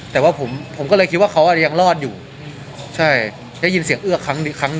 แต่ว่าผมผมก็เลยคิดว่าเขาอาจจะยังรอดอยู่ใช่ได้ยินเสียงเอื้อครั้งหนึ่ง